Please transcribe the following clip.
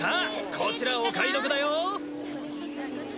こちらお買い得だよ！